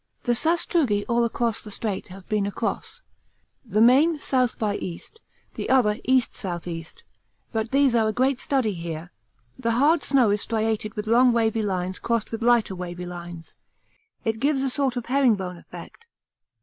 The sastrugi all across the strait have been across, the main S. by E. and the other E.S.E., but these are a great study here; the hard snow is striated with long wavy lines crossed with lighter wavy lines. It gives a sort of herringbone effect.